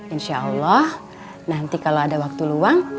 insya allah nanti kalau ada waktu luang